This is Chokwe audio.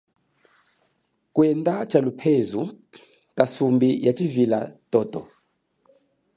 Kwenda tshalupezu kasumbi ya tshivila toto.